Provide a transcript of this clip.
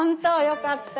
よかった！